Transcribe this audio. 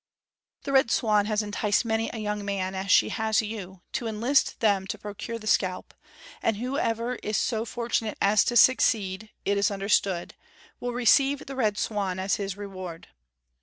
The Red Swan has enticed many a young man, as she has you, to enlist them to procure the scalp, and whoever is so fortunate as to succeed, it is understood, will receive the Red Swan as his reward.